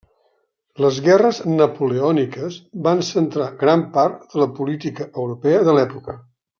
Les Guerres Napoleòniques van centrar gran part de la política europea de l'època.